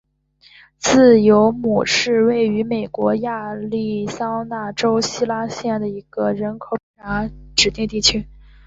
自由亩是位于美国亚利桑那州希拉县的一个人口普查指定地区。